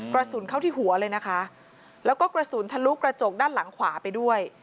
กระสุนเข้าที่หัวเลยนะคะแล้วก็กระสุนทะลุกระจกด้านหลังขวาไปด้วย